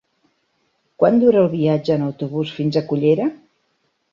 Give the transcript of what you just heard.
Quant dura el viatge en autobús fins a Cullera?